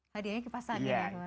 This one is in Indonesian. hadiahnya kipas saja ya